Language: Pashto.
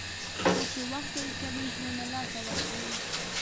څوک چې وخت ضایع کوي، ژوند له لاسه ورکوي.